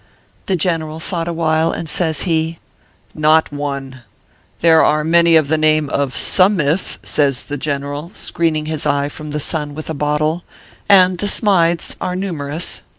The General thought awhile, and says he :" Not one. There are many of the name of Sa mith," says the general, screening his eye from the sun with a bottle, " and the Smythes are numerous ; 280 OKPHEUS C. KERB PAPERS.